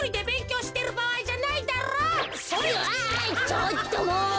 ちょっともう！